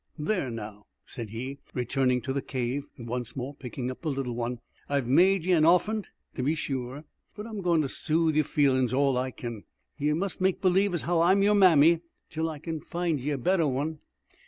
"There, now," said he, returning to the cave and once more picking up the little one, "I've made ye an orphant, to be sure, but I'm goin' to soothe yer feelin's all I kin. Ye must make believe as how I'm yer mammy till I kin find ye a better one."